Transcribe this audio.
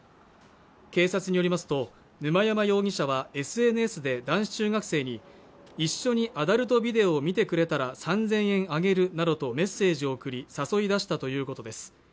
警察によりますと沼山容疑者はＳＮＳで男子中学生に一緒にアダルトビデオを見てくれたら３０００円あげるなどとメッセージを送り誘い出したということです